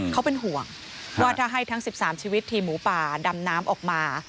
เขาเป็นห่วงว่าถ้าให้ทั้ง๑๓ชีวิตทีมหมูป่าดำน้ำออกมา